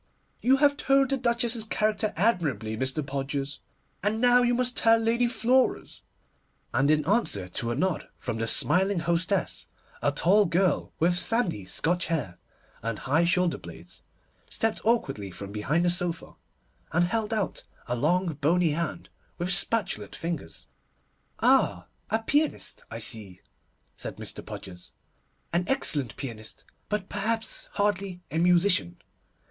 'You have told the Duchess's character admirably, Mr. Podgers, and now you must tell Lady Flora's'; and in answer to a nod from the smiling hostess, a tall girl, with sandy Scotch hair, and high shoulder blades, stepped awkwardly from behind the sofa, and held out a long, bony hand with spatulate fingers. 'Ah, a pianist! I see,' said Mr. Podgers, 'an excellent pianist, but perhaps hardly a musician.